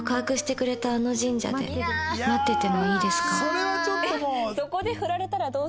それはちょっともう。